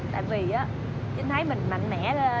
tại vì trinh thấy mình mạnh mẽ lên